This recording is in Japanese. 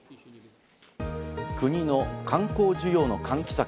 国の観光需要の喚起策